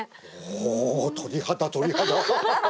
お鳥肌鳥肌。